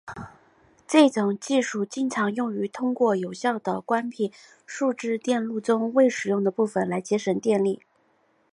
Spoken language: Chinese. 这种技术经常用于通过有效地关闭数字电路中未使用的部分来节省电力。